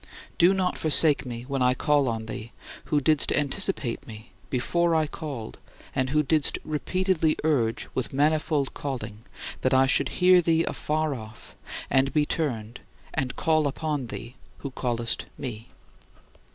Do not forsake me when I call on thee, who didst anticipate me before I called and who didst repeatedly urge with manifold calling that I should hear thee afar off and be turned and call upon thee, who callest me.